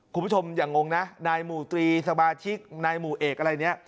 คุณผู้ชมอย่างงงนะนายหมู่ตรีสมาชิกนายหมู่เอกอะไรเนี่ย